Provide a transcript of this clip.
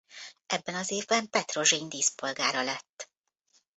Ebben az évben Petrozsény díszpolgára lett.